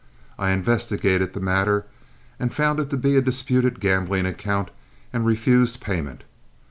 I investigated the matter, found it to be a disputed gambling account, and refused payment.